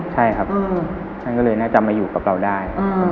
ใช่ครับท่านก็เลยน่าจะมาอยู่กับเราได้